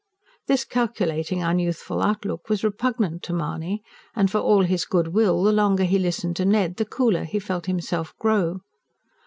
This calculating, unyouthful outlook was repugnant to Mahony, and for all his goodwill, the longer he listened to Ned, the cooler he felt himself grow.